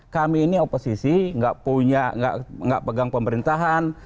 kami ini oposisi gak punya gak pegang pemerintahan